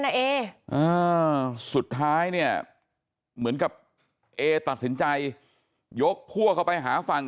เออสุดท้ายเนี่ยเหมือนกับเอตัดสินใจยกพวกเข้าไปหาฝั่ง